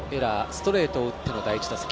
ストレートを打っての第１打席。